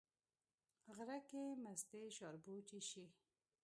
غرک کې مستې شاربو، چې شي